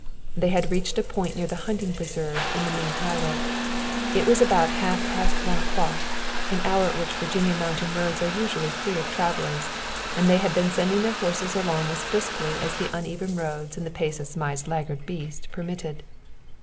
They had reached a point near the hunting preserve in the main highway. It was about half past one o'clock, an hour at which Virginia mountain roads are usually free of travelers, and they had been sending their horses along as briskly as the uneven roads and the pace of Zmai's laggard beast permitted.